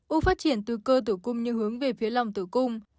u phát triển từ cơ tử cung như hướng về phía lòng tử cung